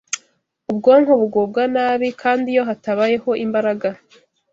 Ubwonko bugubwa nabi, kandi iyo hatabayeho imbaraga